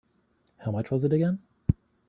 How much was it again?